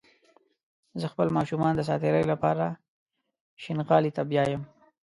زه خپل ماشومان د ساعتيرى لپاره شينغالي ته بيايم